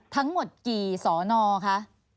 ทั้งหมดกี่สอนอคะ